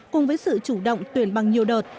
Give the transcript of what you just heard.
cùng với sự chủ động tuyển bằng nhiều đợt